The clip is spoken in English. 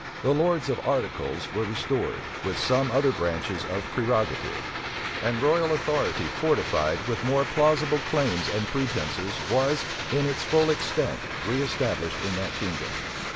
The lords of articles were restored, with some other branches of prerogative; and royal authority fortified with more plausible claims and pretences, was, in its full extent, reestablished in that kingdom.